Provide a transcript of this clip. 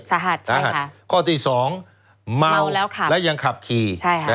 สาหัสใช่ค่ะข้อที่สองเมาแล้วค่ะและยังขับขี่ใช่ค่ะ